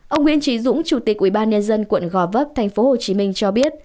ông nguyễn trí dũng chủ tịch ubnd quận gò vấp tp hcm cho biết